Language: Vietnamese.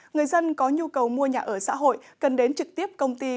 người dân có nhu cầu mua nhà ở xã hội cần đến trực tiếp công ty